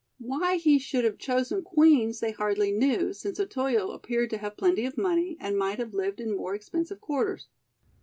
Why he should have chosen Queen's they hardly knew, since Otoyo appeared to have plenty of money and might have lived in more expensive quarters.